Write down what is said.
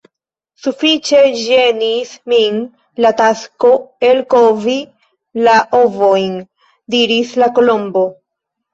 "Sufiĉe ĝenis min la tasko elkovi la ovojn," diris la Kolombo.